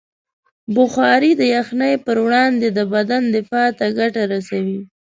بخاري د یخنۍ پر وړاندې د بدن دفاع ته ګټه رسوي.